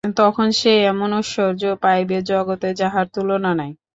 তখন সে এমন ঐশ্বর্য পাইবে জগতে যাহার তুলনা নাই।